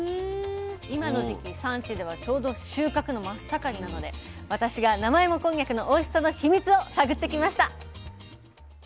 今の時期産地ではちょうど収穫の真っ盛りなので私が生芋こんにゃくのおいしさのヒミツを探ってきました。